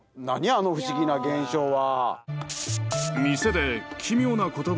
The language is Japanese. あの不思議な現象は。